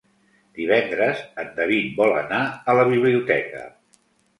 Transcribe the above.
Divendres en David vol anar a la biblioteca.